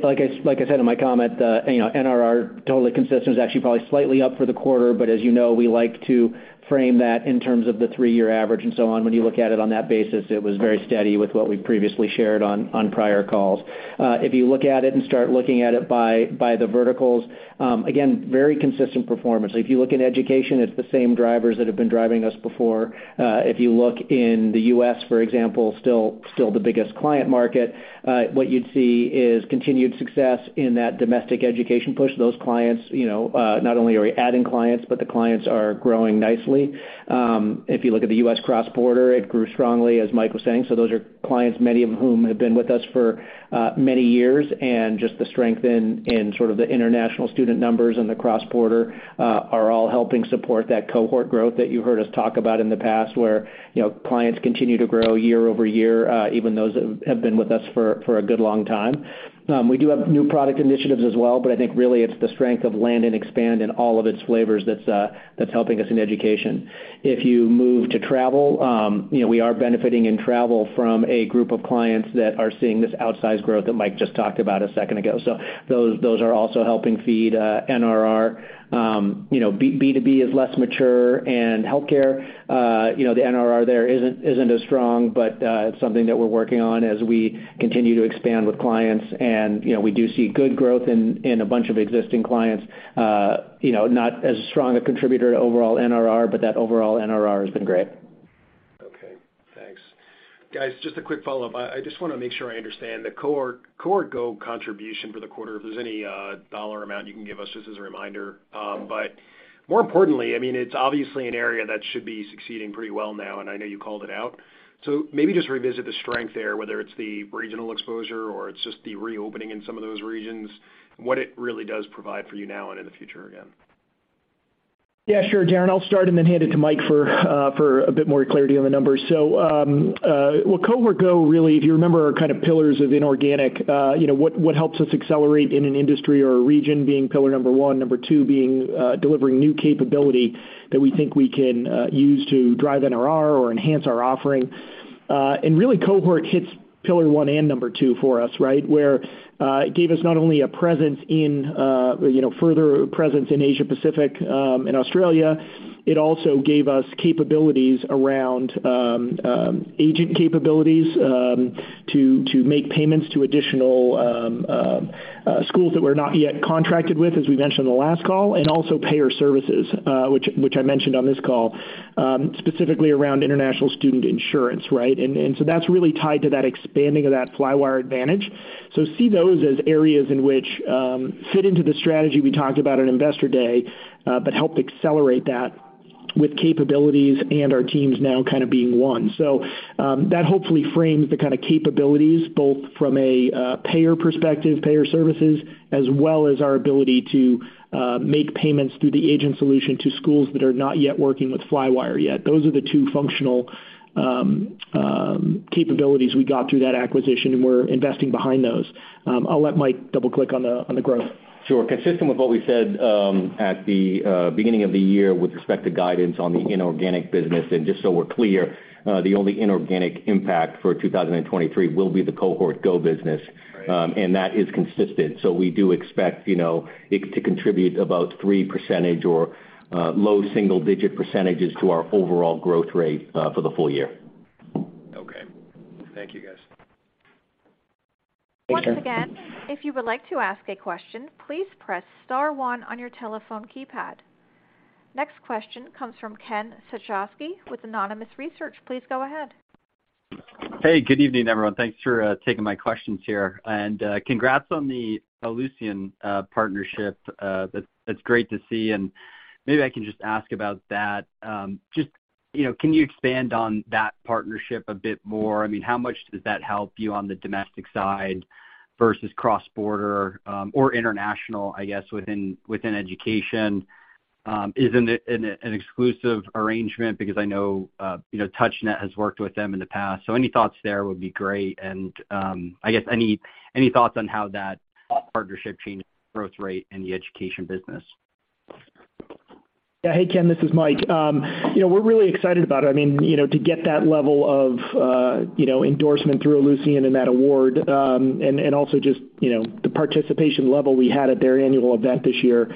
Like I said in my comment, you know, NRR, totally consistent, is actually probably slightly up for the quarter, but as you know, we like to frame that in terms of the three-year average and so on. When you look at it on that basis, it was very steady with what we've previously shared on prior calls. If you look at it and start looking at it by the verticals, again, very consistent performance. If you look in education, it's the same drivers that have been driving us before. If you look in the U.S., for example, still the biggest client market, what you'd see is continued success in that domestic education push. Those clients, you know, not only are we adding clients, but the clients are growing nicely. If you look at the U.S. cross-border, it grew strongly, as Mike was saying. Those are clients, many of whom have been with us for many years, and just the strength in sort of the international student numbers in the cross-border are all helping support that cohort growth that you heard us talk about in the past, where, you know, clients continue to grow year-over-year, even those that have been with us for a good long time. We do have new product initiatives as well. I think really it's the strength of land and expand in all of its flavors that's helping us in education. If you move to travel, you know, we are benefiting in travel from a group of clients that are seeing this outsized growth that Mike just talked about a second ago. Those are also helping feed NRR. You know, B2B is less mature, and healthcare, you know, the NRR there isn't as strong, but it's something that we're working on as we continue to expand with clients. You know, we do see good growth in a bunch of existing clients, you know, not as strong a contributor to overall NRR, but that overall NRR has been great. Okay. Thanks. Guys, just a quick follow-up. I just wanna make sure I understand. The Cohort Go contribution for the quarter, if there's any dollar amount you can give us just as a reminder. More importantly, I mean, it's obviously an area that should be succeeding pretty well now, and I know you called it out. Maybe just revisit the strength there, whether it's the regional exposure or it's just the reopening in some of those regions, what it really does provide for you now and in the future again. Yeah, sure, Darrin. I'll start and then hand it to Mike for a bit more clarity on the numbers. well, Cohort Go, really, if you remember our kind of pillars of inorganic, you know, what helps us accelerate in an industry or a region being pillar number one, number two being delivering new capability that we think we can use to drive NRR or enhance our offering. really, Cohort hits pillar one and number two for us, right? Where, it gave us not only a presence in, you know, further presence in Asia-Pacific, and Australia, it also gave us capabilities around agent capabilities to make payments to additional schools that we're not yet contracted with, as we mentioned on the last call, and also payer services, which I mentioned on this call, specifically around international student insurance, right? That's really tied to that expanding of that Flywire Advantage. See those as areas in which fit into the strategy we talked about on Investor Day, but helped accelerate that with capabilities and our teams now kind of being one. That hopefully frames the kind of capabilities both from a payer perspective, payer services, as well as our ability to make payments through the agent solution to schools that are not yet working with Flywire yet. Those are the two functional capabilities we got through that acquisition, and we're investing behind those. I'll let Mike double-click on the growth. Sure. Consistent with what we said, at the beginning of the year with respect to guidance on the inorganic business. Just so we're clear, the only inorganic impact for 2023 will be the Cohort Go business. Right. That is consistent. We do expect, you know, it to contribute about 3% or low single-digit percentage to our overall growth rate for the full year. Okay. Thank you, guys. Sure. Once again, if you would like to ask a question, please press star one on your telephone keypad. Next question comes from Ken Suchoski with Autonomous Research. Please go ahead. Hey, good evening, everyone. Thanks for taking my questions here. Congrats on the Ellucian partnership. That's great to see. Maybe I can just ask about that. Just, you know, can you expand on that partnership a bit more? I mean, how much does that help you on the domestic side versus cross-border, or international, I guess, within education? Is it an exclusive arrangement? Because I know, you know, TouchNet has worked with them in the past. Any thoughts there would be great. I guess any thoughts on how that partnership changes growth rate in the education business? Yeah. Hey, Ken, this is Mike. You know, we're really excited about it. I mean, you know, to get that level of, you know, endorsement through Ellucian and that award, and also just, you know, the participation level we had at their annual event this year,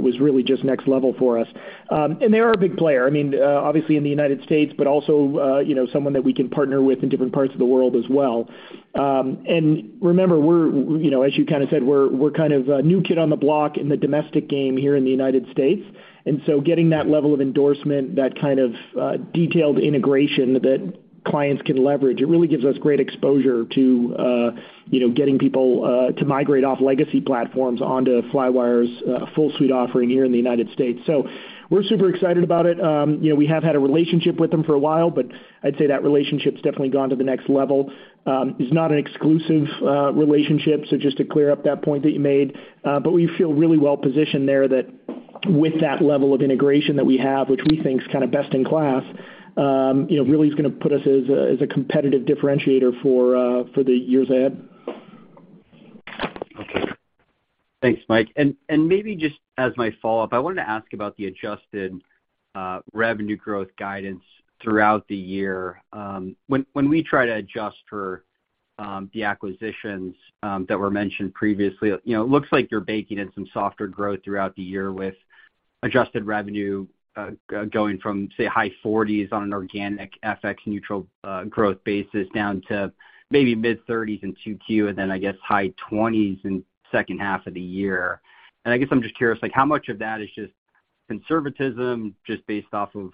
was really just next level for us. They are a big player, I mean, obviously in the United States, but also, you know, someone that we can partner with in different parts of the world as well. Remember, we're, you know, as you kind of said, we're kind of a new kid on the block in the domestic game here in the United States. Getting that level of endorsement, that kind of detailed integration that clients can leverage, it really gives us great exposure to, you know, getting people to migrate off legacy platforms onto Flywire's full suite offering here in the United States. We're super excited about it. You know, we have had a relationship with them for a while, but I'd say that relationship's definitely gone to the next level. It's not an exclusive relationship, so just to clear up that point that you made. We feel really well positioned there that with that level of integration that we have, which we think is kind of best in class, you know, really is gonna put us as a competitive differentiator for the years ahead. Thanks, Mike. Maybe just as my follow-up, I wanted to ask about the adjusted revenue growth guidance throughout the year. When we try to adjust for the acquisitions that were mentioned previously, you know, it looks like you're baking in some softer growth throughout the year with adjusted revenue going from, say, high 40s% on an organic FX neutral growth basis down to maybe mid-30s in 2Q, and then I guess high 20s% in second half of the year. I guess I'm just curious, like how much of that is just conservatism just based off of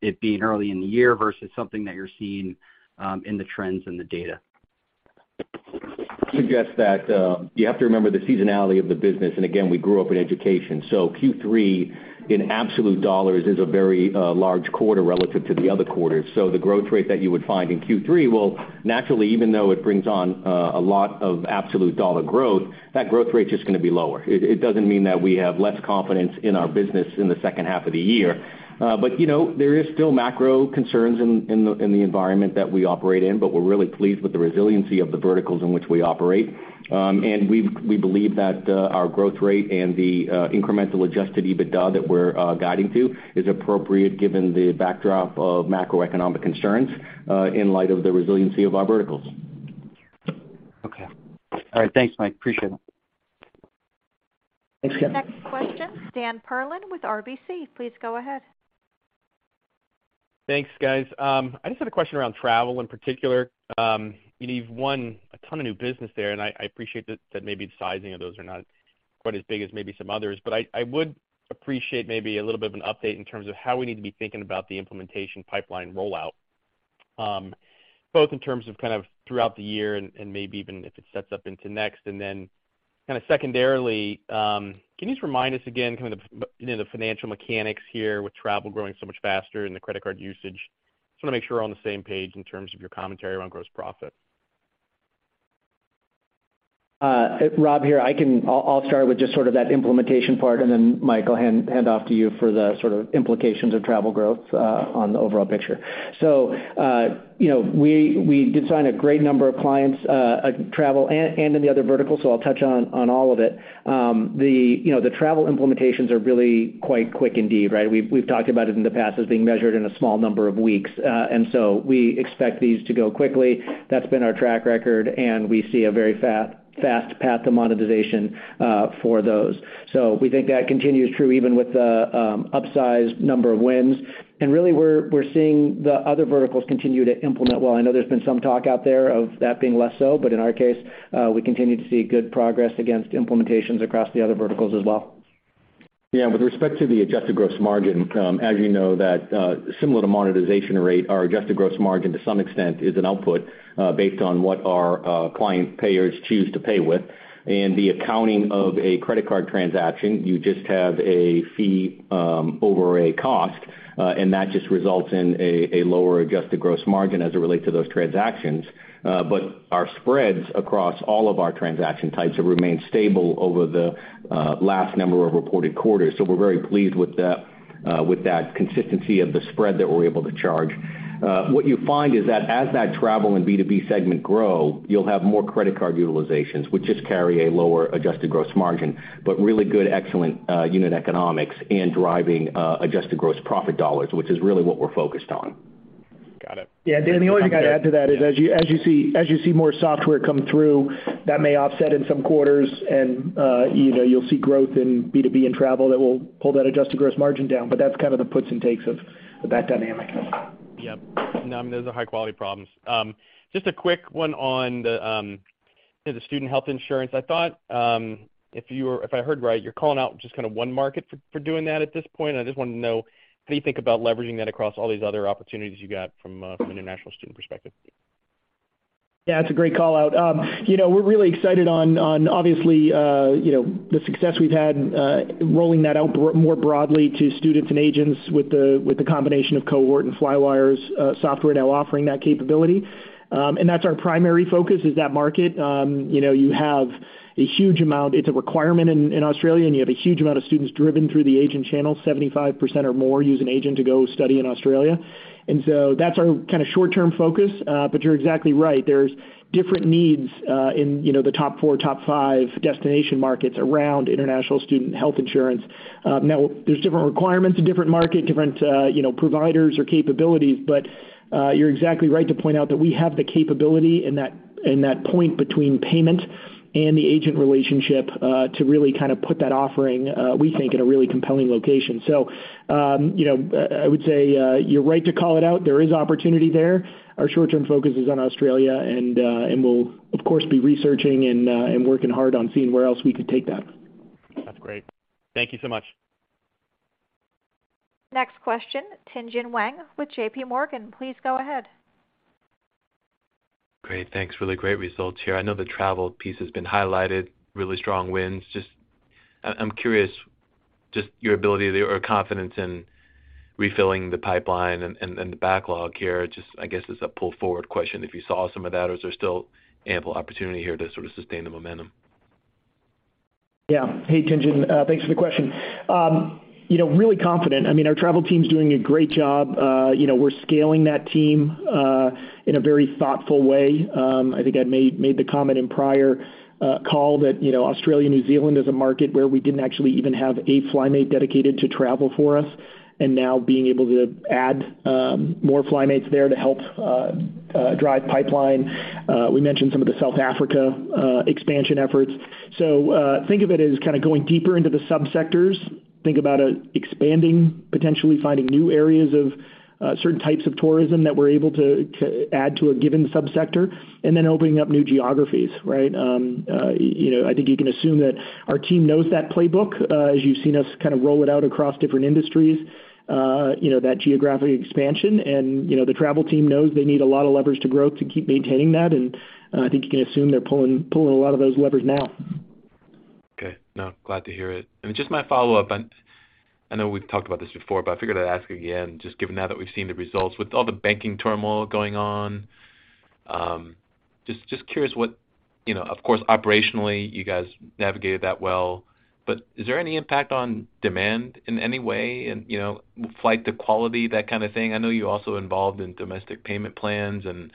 it being early in the year versus something that you're seeing in the trends and the data? I suggest that you have to remember the seasonality of the business. Again, we grew up in education. Q3, in absolute dollars is a very large quarter relative to the other quarters. The growth rate that you would find in Q3 will naturally, even though it brings on a lot of absolute dollar growth, that growth rate's just gonna be lower. It doesn't mean that we have less confidence in our business in the second half of the year. You know, there is still macro concerns in the environment that we operate in, but we're really pleased with the resiliency of the verticals in which we operate. We believe that our growth rate and the incremental adjusted EBITDA that we're guiding to is appropriate given the backdrop of macroeconomic concerns in light of the resiliency of our verticals. Okay. All right. Thanks, Mike. Appreciate it. Thanks, Ken. Next question, Dan Perlin with RBC. Please go ahead. Thanks, guys. I just had a question around travel in particular. You've won a ton of new business there, I appreciate that maybe the sizing of those are not quite as big as maybe some others. I would appreciate maybe a little bit of an update in terms of how we need to be thinking about the implementation pipeline rollout, both in terms of kind of throughout the year and maybe even if it sets up into next. Kind of secondarily, can you just remind us again kind of the, you know, the financial mechanics here with travel growing so much faster and the credit card usage? Just wanna make sure we're on the same page in terms of your commentary around gross profit. Rob here. I'll start with just sort of that implementation part, and then Mike, I'll hand off to you for the sort of implications of travel growth on the overall picture. You know, we did sign a great number of clients, travel and in the other verticals, so I'll touch on all of it. You know, the travel implementations are really quite quick indeed, right? We've talked about it in the past as being measured in a small number of weeks. We expect these to go quickly. That's been our track record, and we see a very fast path to monetization for those. We think that continues true even with the upsized number of wins. Really we're seeing the other verticals continue to implement well. I know there's been some talk out there of that being less so, but in our case, we continue to see good progress against implementations across the other verticals as well. With respect to the adjusted gross margin, as you know that, similar to monetization rate, our adjusted gross margin to some extent is an output, based on what our client payers choose to pay with. In the accounting of a credit card transaction, you just have a fee, over a cost, and that just results in a lower adjusted gross margin as it relates to those transactions. But our spreads across all of our transaction types have remained stable over the last number of reported quarters. We're very pleased with the with that consistency of the spread that we're able to charge. What you find is that as that travel and B2B segment grow, you'll have more credit card utilizations, which just carry a lower adjusted gross margin, but really good, excellent, unit economics and driving adjusted gross profit dollars, which is really what we're focused on. Got it. Yeah, Dan, the only thing I'd add to that is as you see more software come through, that may offset in some quarters and, you know, you'll see growth in B2B and travel that will pull that adjusted gross margin down, but that's kind of the puts and takes of that dynamic. Yep. No, I mean, those are high-quality problems. Just a quick one on the student health insurance. I thought, if I heard right, you're calling out just kinda one market for doing that at this point. I just wanted to know how you think about leveraging that across all these other opportunities you got from an international student perspective? Yeah, it's a great call-out. You know, we're really excited on obviously, you know, the success we've had rolling that out more broadly to students and agents with the combination of Cohort and Flywire's software now offering that capability. That's our primary focus is that market. You know, it's a requirement in Australia, and you have a huge amount of students driven through the agent channel. 75% or more use an agent to go study in Australia. That's our kinda short-term focus, but you're exactly right. There's different needs in, you know, the top 4, top 5 destination markets around international student health insurance. Now there's different requirements in different market, different, you know, providers or capabilities, but you're exactly right to point out that we have the capability in that point between payment and the agent relationship, to really kind of put that offering, we think in a really compelling location. I would say, you know, you're right to call it out. There is opportunity there. Our short-term focus is on Australia, and we'll of course, be researching and working hard on seeing where else we could take that. That's great. Thank you so much. Next question, Tien-Tsin Huang with J.P. Morgan. Please go ahead. Great, thanks. Really great results here. I know the travel piece has been highlighted, really strong wins. I'm curious, just your ability or confidence in refilling the pipeline and the backlog here. Just I guess as a pull forward question, if you saw some of that, or is there still ample opportunity here to sort of sustain the momentum? Yeah. Hey, Tien-Tsin, thanks for the question. You know, really confident. I mean, our travel team's doing a great job. You know, we're scaling that team in a very thoughtful way. I think I made the comment in prior call that, you know, Australia, New Zealand is a market where we didn't actually even have a FlyMate dedicated to travel for us, and now being able to add more FlyMates there to help drive pipeline. We mentioned some of the South Africa expansion efforts. Think of it as kind of going deeper into the subsectors. Think about expanding, potentially finding new areas of certain types of tourism that we're able to add to a given subsector, and then opening up new geographies, right? You know, I think you can assume that our team knows that playbook, as you've seen us kind of roll it out across different industries, you know, that geographic expansion. You know, the travel team knows they need a lot of levers to grow to keep maintaining that, and I think you can assume they're pulling a lot of those levers now. Okay. No, glad to hear it. Just my follow-up, I know we've talked about this before, but I figured I'd ask again, just given now that we've seen the results. With all the banking turmoil going on, just curious what. You know, of course, operationally, you guys navigated that well. Is there any impact on demand in any way in, you know, flight to quality, that kind of thing? I know you're also involved in domestic payment plans and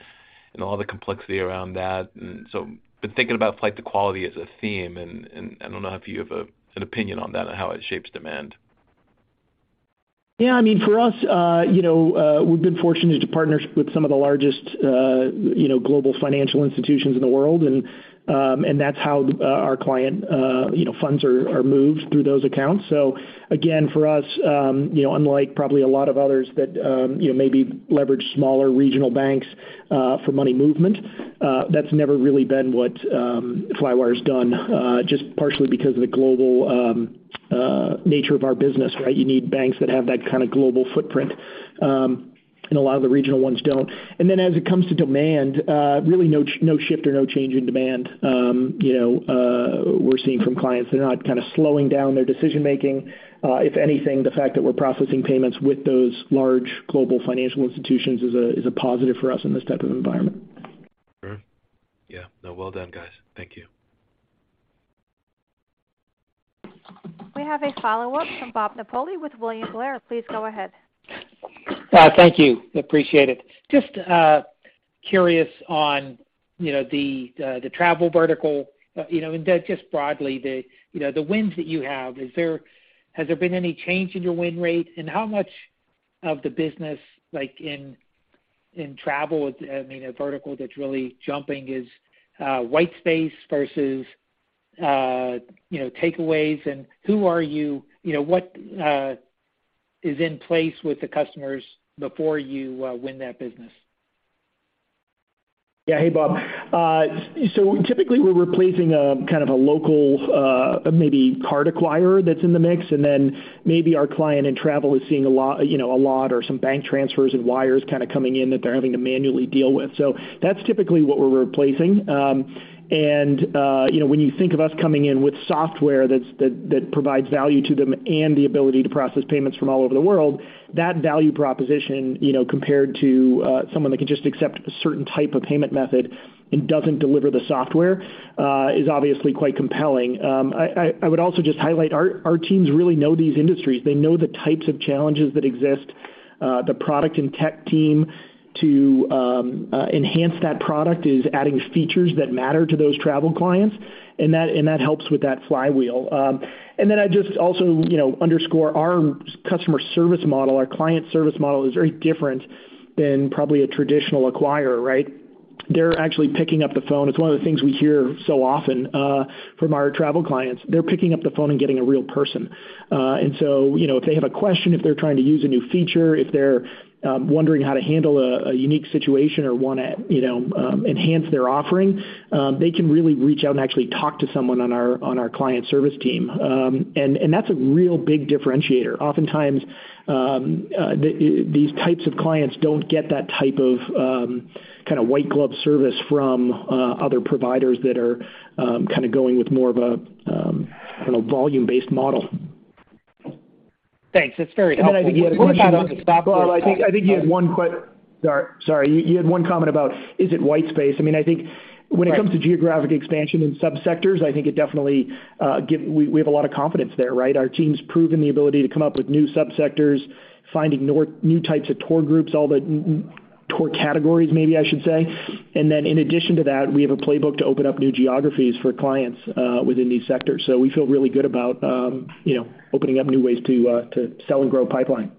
all the complexity around that. Thinking about flight to quality as a theme, and I don't know if you have an opinion on that and how it shapes demand. Yeah. I mean, for us, you know, we've been fortunate to partner with some of the largest, you know, global financial institutions in the world, and that's how our client, you know, funds are moved through those accounts. Again, for us, you know, unlike probably a lot of others that, you know, maybe leverage smaller regional banks for money movement, that's never really been what Flywire's done, just partially because of the global nature of our business, right? You need banks that have that kind of global footprint, and a lot of the regional ones don't. As it comes to demand, really no shift or no change in demand, you know, we're seeing from clients. They're not kind of slowing down their decision-making. If anything, the fact that we're processing payments with those large global financial institutions is a positive for us in this type of environment. All right. Yeah. No, well done, guys. Thank you. We have a follow-up from Bob Napoli with William Blair. Please go ahead. Thank you. Appreciate it. Just curious on, you know, the, the travel vertical, you know, and just broadly, the, you know, the wins that you have, Has there been any change in your win rate? How much of the business, like, in travel, I mean, a vertical that's really jumping, is white space versus, you know, takeaways? You know, what is in place with the customers before you win that business? Yeah. Hey, Bob. Typically we're replacing a kind of a local, maybe card acquirer that's in the mix, and then maybe our client in travel is seeing a lot, you know, a lot or some bank transfers and wires kind of coming in that they're having to manually deal with. That's typically what we're replacing. You know, when you think of us coming in with software that provides value to them and the ability to process payments from all over the world, that value proposition, you know, compared to someone that can just accept a certain type of payment method and doesn't deliver the software, is obviously quite compelling. I would also just highlight our teams really know these industries. They know the types of challenges that exist. The product and tech team to enhance that product is adding features that matter to those travel clients, and that helps with that flywheel. I'd just also, you know, underscore our customer service model, our client service model is very different than probably a traditional acquirer, right? They're actually picking up the phone. It's one of the things we hear so often from our travel clients. They're picking up the phone and getting a real person. You know, if they have a question, if they're trying to use a new feature, if they're wondering how to handle a unique situation or wanna, you know, enhance their offering, they can really reach out and actually talk to someone on our, on our client service team. That's a real big differentiator. Oftentimes, these types of clients don't get that type of, kind of white glove service from, other providers that are, kind of going with more of a, I don't know, volume-based model. Thanks. That's very helpful. Then I think you had a question. What about on the software side? I think you had one Sorry. You had one comment about is it white space? I mean, I think when it comes to geographic expansion in subsectors, I think it definitely give. We have a lot of confidence there, right? Our team's proven the ability to come up with new subsectors, finding new types of tour groups, all the Tour categories, maybe I should say. In addition to that, we have a playbook to open up new geographies for clients within these sectors. We feel really good about, you know, opening up new ways to sell and grow pipeline.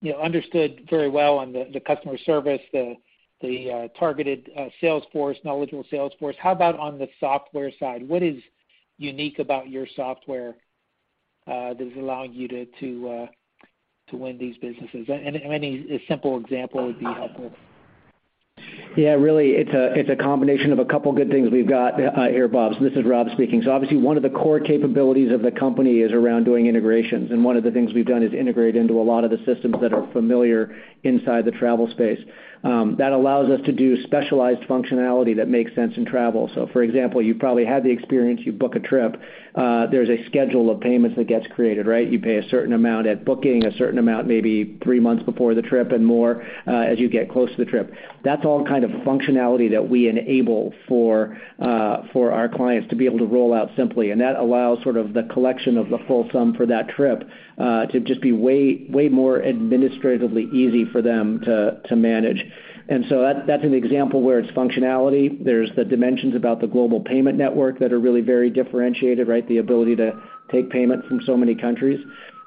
Yeah, understood very well on the customer service, the, targeted, sales force, knowledgeable sales force. How about on the software side? What is unique about your software, that is allowing you to, to win these businesses? Any simple example would be helpful. Really, it's a, it's a combination of a couple good things we've got here, Bob. This is Rob speaking. Obviously, one of the core capabilities of the company is around doing integrations, and one of the things we've done is integrate into a lot of the systems that are familiar inside the travel space. That allows us to do specialized functionality that makes sense in travel. For example, you've probably had the experience, you book a trip, there's a schedule of payments that gets created, right? You pay a certain amount at booking, a certain amount maybe three months before the trip, and more as you get close to the trip. That's all kind of functionality that we enable for our clients to be able to roll out simply, and that allows sort of the collection of the full sum for that trip to just be way more administratively easy for them to manage. That's an example where it's functionality. There's the dimensions about the global payment network that are really very differentiated, right? The ability to take payment from so many countries.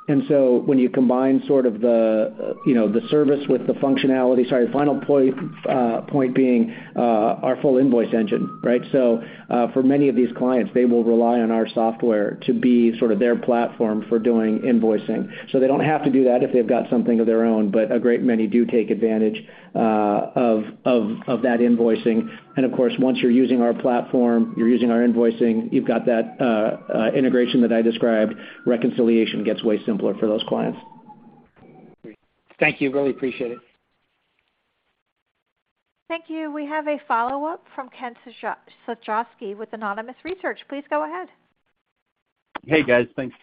When you combine sort of the, you know, the service with the functionality. Sorry, final point being, our full invoice engine, right? For many of these clients, they will rely on our software to be sort of their platform for doing invoicing. They don't have to do that if they've got something of their own, but a great many do take advantage of that invoicing. Of course, once you're using our platform, you're using our invoicing, you've got that integration that I described, reconciliation gets way simpler for those clients. Thank you. Really appreciate it. Thank you. We have a follow-up from Ken Suchoski with Autonomous Research. Please go ahead. Hey, guys. Thanks,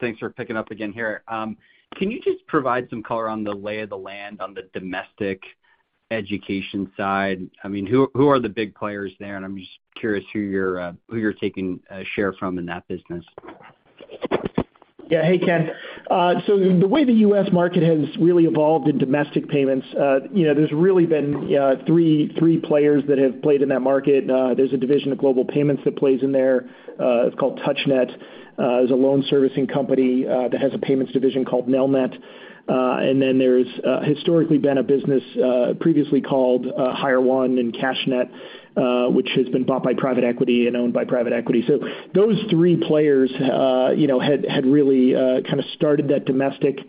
thanks for picking up again here. Can you just provide some color on the lay of the land on the domestic education side? I mean, who are the big players there? I'm just curious who you're, who you're taking, share from in that business. Yeah. Hey, Ken. The way the U.S. market has really evolved in domestic payments, you know, there's really been three players that have played in that market. There's a division of Global Payments that plays in there, it's called TouchNet. There's a loan servicing company that has a payments division called Nelnet. There's historically been a business previously called Higher One and CASHNet, which has been bought by private equity and owned by private equity. Those three players, you know, had really kind of started that domestic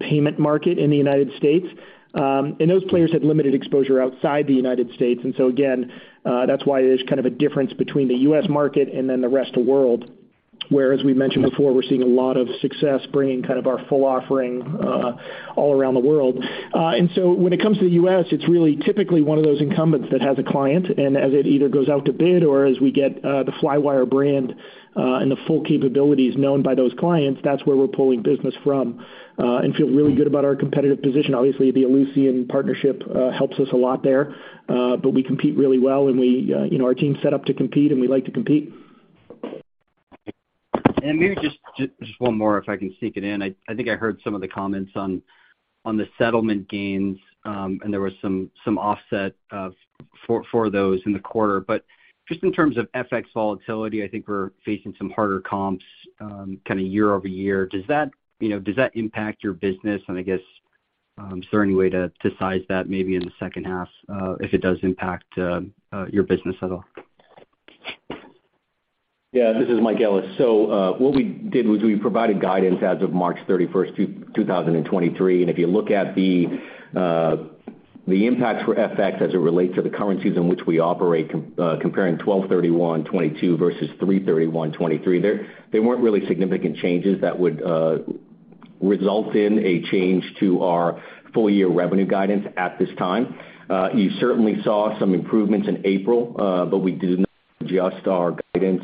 payment market in the United States. Those players had limited exposure outside the United States. Again, that's why there's kind of a difference between the U.S. market and then the rest of the world, where, as we mentioned before, we're seeing a lot of success bringing kind of our full offering all around the world. When it comes to the U.S., it's really typically one of those incumbents that has a client. As it either goes out to bid or as we get the Flywire brand and the full capabilities known by those clients, that's where we're pulling business from and feel really good about our competitive position. Obviously, the Ellucian partnership helps us a lot there, but we compete really well, and we, you know, our team's set up to compete, and we like to compete. Maybe just one more, if I can sneak it in. I think I heard some of the comments on the settlement gains, and there was some offset for those in the quarter. Just in terms of FX volatility, I think we're facing some harder comps, kind of year-over-year. Does that, you know, does that impact your business? I guess, is there any way to size that maybe in the second half, if it does impact your business at all? Yeah. This is Mike Ellis. what we did was we provided guidance as of March 31st, 2023. if you look at the impacts for FX as it relates to the currencies in which we operate comparing 12/31/2022 versus 3/31/2023, there weren't really significant changes that would result in a change to our full year revenue guidance at this time. You certainly saw some improvements in April, but we do not adjust our guidance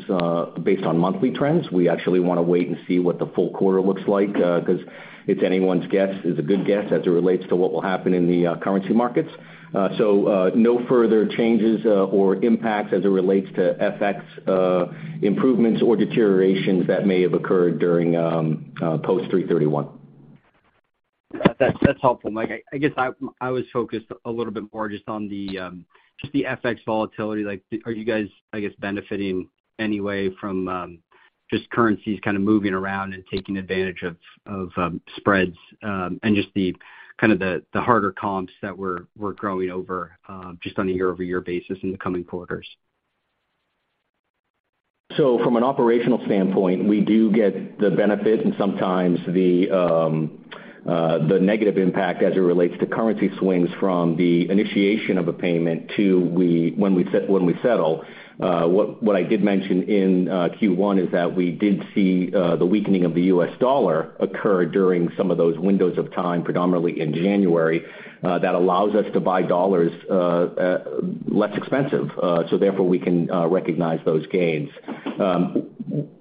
based on monthly trends. We actually wanna wait and see what the full quarter looks like, 'cause it's anyone's guess is a good guess as it relates to what will happen in the currency markets. No further changes or impacts as it relates to FX, improvements or deteriorations that may have occurred during, post 3/31. That's helpful, Mike. I guess I was focused a little bit more just on the just the FX volatility. Like, are you guys, I guess, benefiting in any way from just currencies kind of moving around and taking advantage of spreads, and just the kind of the harder comps that we're growing over just on a year-over-year basis in the coming quarters? From an operational standpoint, we do get the benefit and sometimes the negative impact as it relates to currency swings from the initiation of a payment to when we settle. What I did mention in Q1 is that we did see the weakening of the U.S. dollar occur during some of those windows of time, predominantly in January, that allows us to buy dollars less expensive, so therefore we can recognize those gains.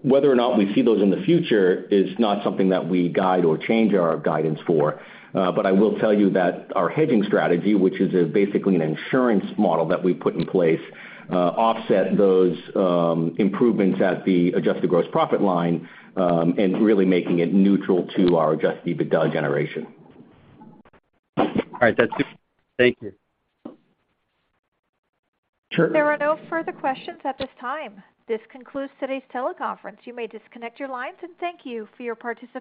Whether or not we see those in the future is not something that we guide or change our guidance for. I will tell you that our hedging strategy, which is basically an insurance model that we put in place, offset those improvements at the adjusted gross profit line, and really making it neutral to our adjusted EBITDA generation. All right. That's good. Thank you. Sure. There are no further questions at this time. This concludes today's teleconference. You may disconnect your lines, and thank you for your participation.